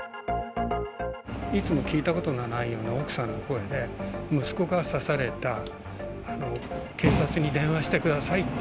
いつも聞いたことのないような奥さんの声で、息子が刺された、警察に電話してくださいって。